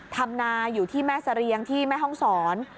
ทำนาอยู่ที่แม่เสรียงที่แม่ห้องศร